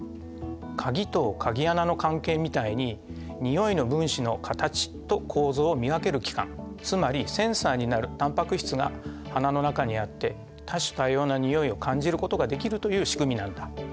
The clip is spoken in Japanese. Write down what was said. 鍵と鍵穴の関係みたいににおいの分子の形と構造を見分ける器官つまりセンサーになるたんぱく質が鼻の中にあって多種多様なにおいを感じることができるというしくみなんだ。